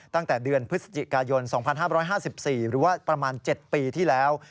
ตั้งแต่เดือนพฤศจิกายน๒๕๕๔หรือว่าประมาณ๗ปีที่แล้ว